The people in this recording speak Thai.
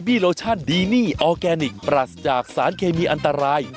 โลชั่นดีนี่ออร์แกนิคปรัสจากสารเคมีอันตราย